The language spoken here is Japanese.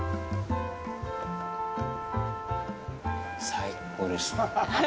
最高です。